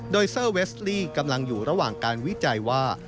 โดยเซอร์เวสลี่กำลังอยู่ระหว่างการวิจัยว่า